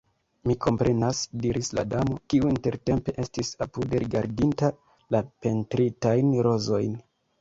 "Mi komprenas," diris la Damo, kiu intertempe estis apude rigardinta la pentritajn rozojn.